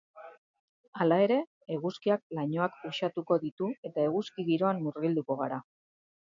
Hala ere, eguzkiak lainoak uxatuko ditu eta eguzki giroan murgilduko gara.